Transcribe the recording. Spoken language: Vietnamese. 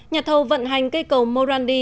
nhà thâu vận hành cây cầu morandi